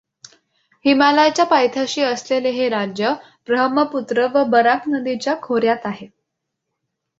हिमालयाच्या पायथ्याशी असलेले हे राज्य ब्रह्मपुत्र व बराक नदीच्या खोर् यांत आहे.